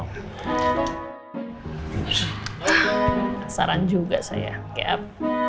penasaran juga saya cap